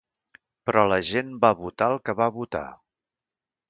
Però la gent va votar el que va votar.